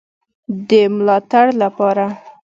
د ملاتړ لپاره